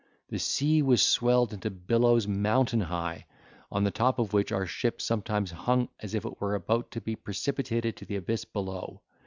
The sea was swelled into billows mountain high, on the top of which our ship sometimes hung as if it were about to be precipitated to the abyss below!